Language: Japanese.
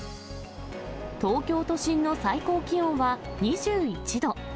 東京都心の最高気温は２１度。